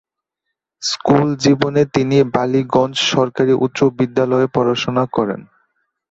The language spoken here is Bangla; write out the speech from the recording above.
স্কুল জীবনে তিনি বালিগঞ্জ সরকারি উচ্চ বিদ্যালয়ে পড়াশুনা করেন।